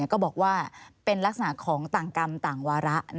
ก็บอกว่าเป็นลักษณะของต่างกรรมต่างวาระ